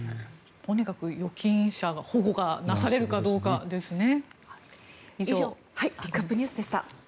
とにかく預金者保護がなされるかどうかですね。